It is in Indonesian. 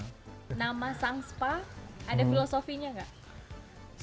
nama sang spa ada filosofinya nggak